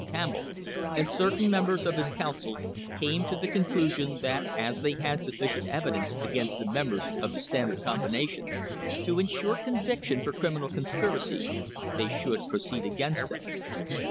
Campbell, and certain members of his Coun cil, came to the conclusion that as they had sufficient evi dence against the members of the Standard Combination to insure conviction for criminal conspiracy, they should pro ceed against them.